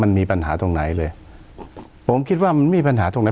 มันมีปัญหาตรงไหนเลยผมคิดว่ามันมีปัญหาตรงไหน